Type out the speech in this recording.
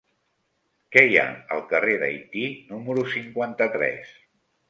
Què hi ha al carrer d'Haití número cinquanta-tres?